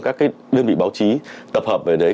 các đơn vị báo chí tập hợp về đấy